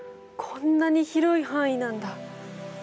こんなに広い範囲なんだ。